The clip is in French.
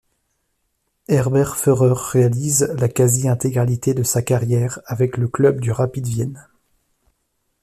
Herbert Feurer réalise la quasi-intégralité de sa carrière avec le club du Rapid Vienne.